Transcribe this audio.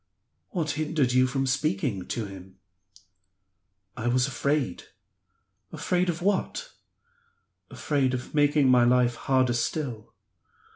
"What hindered you from speaking to him?" "I was afraid." "Afraid of what?" "Afraid of making my hard life harder still."